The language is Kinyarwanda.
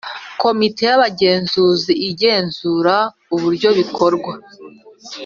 Komite y’Abagenzuzi igenzura uburyo bikorwa